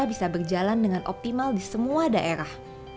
bisa berjalan dengan optimal di semua daerah